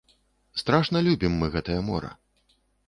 Страшна любім мы гэтае мора.